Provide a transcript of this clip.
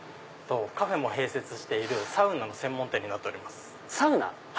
カフェも併設しているサウナの専門店になっております。